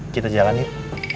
kita jalan yuk